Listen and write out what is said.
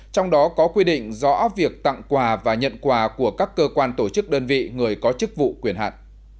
trong đó có quy định rõ việc tặng quà và nhận quà của các cơ quan tổ chức đơn vị người có chức vụ quyền hạn